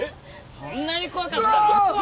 そんなに怖かった？